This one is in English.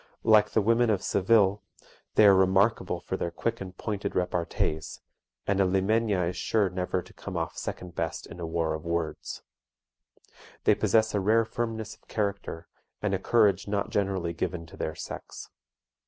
Like the women of Seville, they are remarkable for their quick and pointed repartees, and a Limeña is sure never to come off second best in a war of words. They possess a rare firmness of character, and a courage not generally given to their sex.